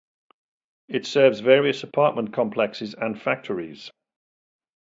It also serves various apartment complexes and factories.